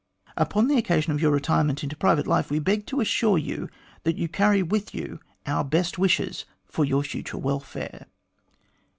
Upon the occasion of your retirement into private life, we beg to assure you that you carry with you our best wishes for your future welfare."